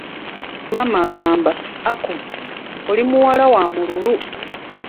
Maama n'agamba, Aku oli muwala w'amululu.